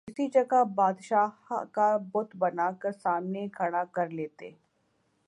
کسی جگہ بادشاہ کا بت بنا کر سامنے کھڑا کرلیتے